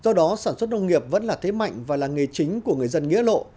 do đó sản xuất nông nghiệp vẫn là thế mạnh và là nghề chính của người dân nghĩa lộ